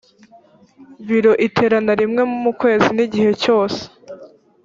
biro iterana rimwe mu kwezi n igihe cyose